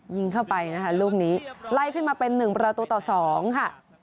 ยิงเข้าไปนะคะลูกนี้ไล่ขึ้นมาเป็น๑ประตูต่อ๒ค่ะ